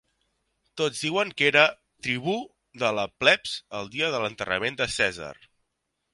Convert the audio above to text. Tots diuen que era tribú de la plebs el dia de l'enterrament de Cèsar.